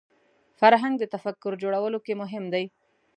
فرهنګ د تفکر جوړولو کې مهم دی